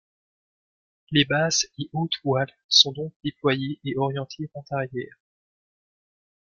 Les basses et hautes voiles sont donc déployées et orientées vent arrière.